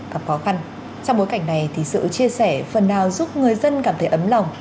trong bối cảnh này sự chia sẻ phần nào giúp người dân cảm thấy ấm lòng